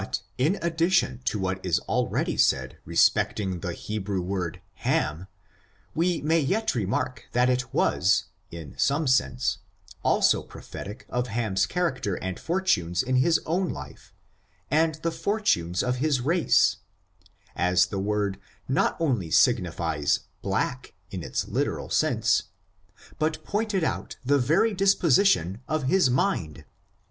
But, in addition to what is already said respecting the Hebrew word Ham, we may remark that it was, in some sense, also prophetic of Ham's character and fortunes in his ovm life, and the fortunes of his race^ as the word not only signified hlack in its Uteral sense, but pointed out the very disposition of his mind.